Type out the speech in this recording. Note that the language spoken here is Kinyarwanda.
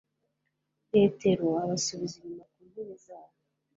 Petero abasubiza inyuma ku ntebe zabo